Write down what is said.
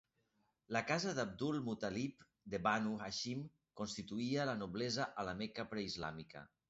La casa d'Abdul-Muttalib de Banu Hashim constituïa la noblesa a la Meca preislàmica.